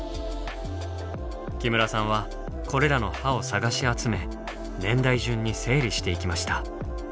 木村さんはこれらの歯を探し集め年代順に整理していきました。